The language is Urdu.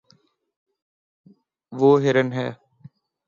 وہ ہرن ہے